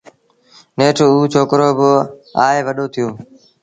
نيٺ اُ ڇوڪرو با آئي وڏو ٿيو